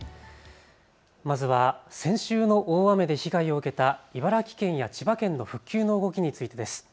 まずは先週の大雨で被害を受けた茨城県や千葉県の復旧の動きについてです。